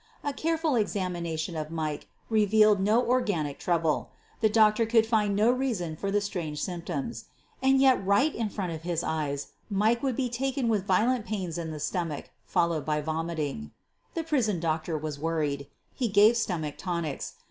A careful examination of Mike revealed no organic trouble — the doctor could find no reason for the strange symptoms. And yet right in front of his eyes Mike would be taken with violent pains in the stomach, followed by vom iting. The prison doctor was worried. He gave stomach tonics.